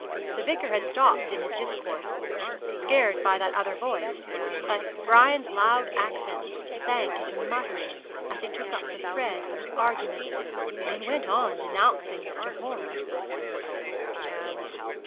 The Vicar had stopped in his discourse, scared by that other voice, but as Brian's loud accents sank into mutterings he took up the thread of his argument, and went on denouncing Jehoram.